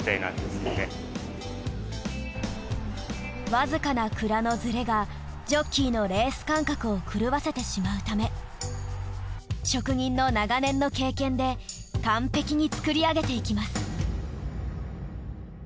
わずかな鞍のズレがジョッキーのレース感覚を狂わせてしまうため職人の長年の経験で完璧に作り上げていきます。